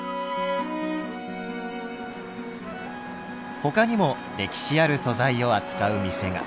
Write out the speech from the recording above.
ほかにも歴史ある素材を扱う店が。